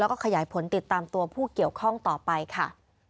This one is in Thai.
แล้วก็ขยายผลติดตามตัวผู้เกี่ยวข้องต่อไปค่ะ